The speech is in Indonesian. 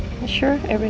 kau yakin semuanya baik